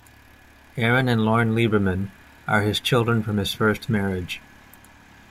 Erin and Lorne Lieberman are his children from his first marriage.